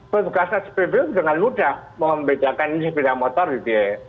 pertugasnya sepeda motor dengan mudah membedakan sepeda motor gitu ya